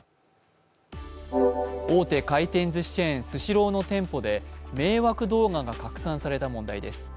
大手回転ずしチェーンスシローの店舗で迷惑動画が拡散された問題です。